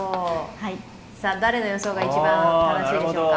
誰の予想が一番正しいでしょうか？